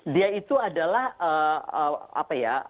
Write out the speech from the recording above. dia itu adalah apa ya